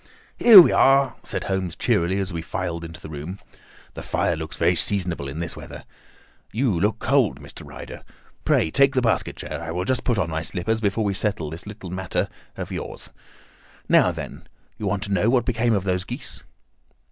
"Here we are!" said Holmes cheerily as we filed into the room. "The fire looks very seasonable in this weather. You look cold, Mr. Ryder. Pray take the basket chair. I will just put on my slippers before we settle this little matter of yours. Now, then! You want to know what became of those geese?"